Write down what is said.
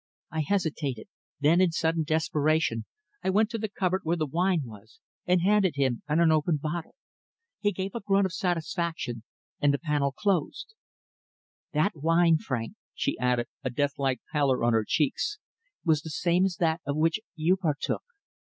I hesitated, then in sudden desperation I went to the cupboard where the wine was and handed him an unopened bottle. He gave a grunt of satisfaction, and the panel closed. That wine, Frank," she added, a deathlike pallor on her cheeks, "was the same as that of which you partook.